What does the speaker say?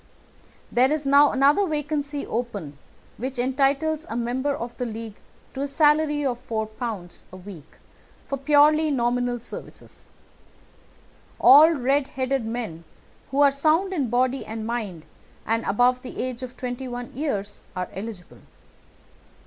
there is now another vacancy open which entitles a member of the League to a salary of £ 4 a week for purely nominal services. All red headed men who are sound in body and mind and above the age of twenty one years, are eligible.